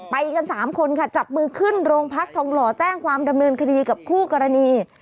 ไปกัน๓คนค่ะจับมือขึ้นโรงพักทองหล่อแจ้งความดำเนินคดีกับคู่กรณี